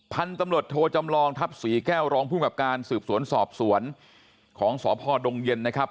พันธุ์ตำรวจโทจำลองทัพศรีแก้วรองภูมิกับการสืบสวนสอบสวนของสพดงเย็นนะครับ